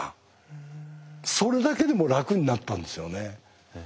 それだけでも楽になったんですよね。